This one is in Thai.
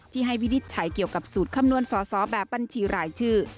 ที่ให้วิฤทธิ์ใช้เกี่ยวกับสูตรคำนวณสอแบบบัญชีหลายชื่อ